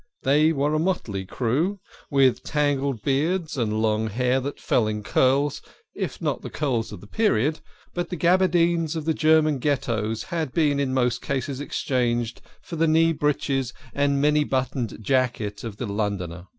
They were a motley crew, with tangled beards and long hair that fell in curls, if not the curls of the period ; but the gaberdines of the German Ghettoes had been in most cases exchanged for the knee breeches and many buttoned jacket of the Londoner.